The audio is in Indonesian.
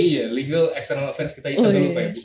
iya legal external affairs kita iseng dulu pak edi